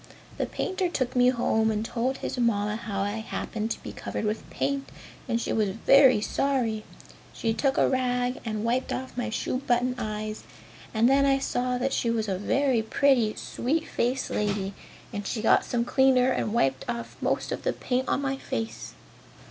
The painter took me home and told his Mamma how I happened to be covered with paint and she was very sorry. She took a rag and wiped off my shoe button eyes and then I saw that she was a very pretty, sweet faced lady and she got some cleaner and wiped off most of the paint on my face.